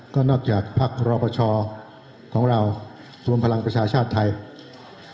ก็นอกจากพักรอปชของเรารวมพลังประชาชาติไทย